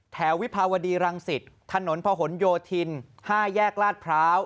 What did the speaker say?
วิภาวดีรังสิตถนนพะหนโยธิน๕แยกลาดพร้าว